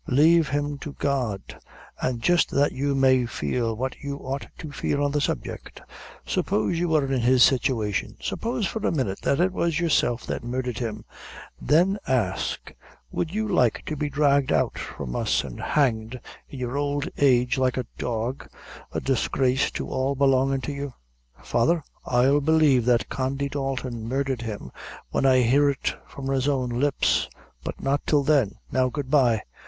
Lave him to God; an' jist that you may feel what you ought to feel on the subject, suppose you were in his situation suppose for a minute that it was yourself that murdhered him then ask, would you like to be dragged out from us and hanged, in your ould age, like a dog a disgrace to all belongin' to you. Father, I'll believe that Condy Dalton murdhered him, when I hear it from his own lips, but not till then. Now, Good bye.